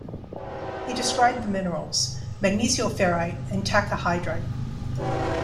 He described the minerals, magnesioferrite and tachyhydrite.